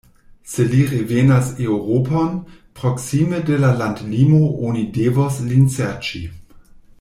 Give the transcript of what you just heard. Se li revenas Eŭropon, proksime de la landlimo oni devos lin serĉi.